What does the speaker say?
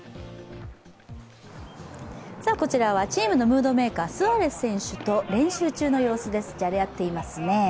こちらはチームのムードメーカー、スアレス選手と練習中の様子です、じゃれ合っていますね。